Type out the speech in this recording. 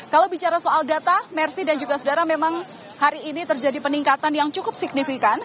kalau bicara soal data mersi dan juga saudara memang hari ini terjadi peningkatan yang cukup signifikan